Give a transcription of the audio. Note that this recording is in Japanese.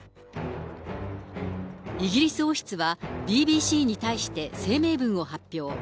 イギリス王室は、ＢＢＣに対して、声明文を発表。